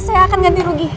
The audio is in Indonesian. saya akan ganti rugi